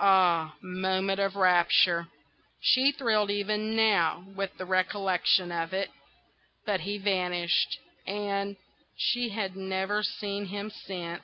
Ah, moment of rapture! She thrilled even now with the recollection of it. But he vanished, and—she had never seen him since.